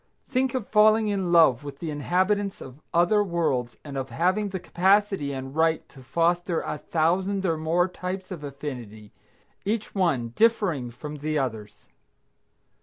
Think of falling in love with the inhabitants of other worlds and of having the capacity and right to foster a thousand or more types of affinity, each one differing from the others!